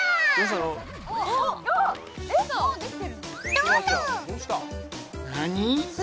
どうぞ！何！？